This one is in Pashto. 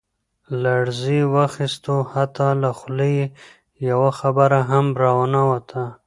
لړزې واخستو حتا له خولې يې يوه خبره هم را ونوته.